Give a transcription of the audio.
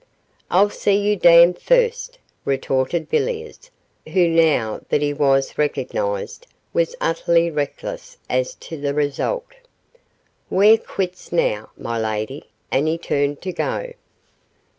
'I'll see you damned first,' retorted Villiers, who, now that he was recognised, was utterly reckless as to the result. 'We're quits now, my lady,' and he turned to go.